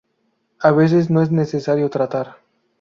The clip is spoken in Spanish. A veces no es necesario tratar.